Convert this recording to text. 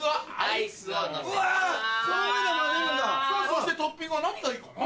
そしてトッピングは何がいいかな？